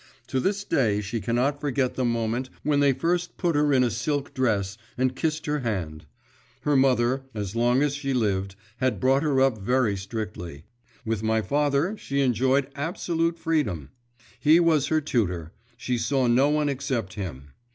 To this day she cannot forget the moment when they first put her on a silk dress and kissed her hand. Her mother, as long as she lived, had brought her up very strictly; with my father she enjoyed absolute freedom. He was her tutor; she saw no one except him.